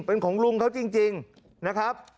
เป็นของลุงเขาจริงนะครับ